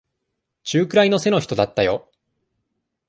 中くらいの背の人だったよ。